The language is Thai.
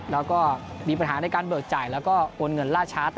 แล้วก็มีปัญหาในการเบิกจ่ายแล้วก็โอนเงินล่าช้า